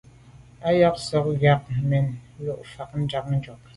Á yɔ́k gə̀ sɔ̌k ŋká zə̄ mɛ́n lû fáŋ ndá ŋkɔ̀k.